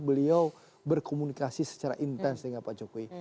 beliau berkomunikasi secara intens dengan pak jokowi